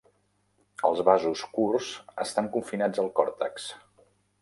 Els vasos curts estan confinats al còrtex.